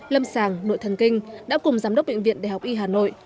lâm sàng nội thần kinh đã cùng giám đốc bệnh viện đại học y hà nội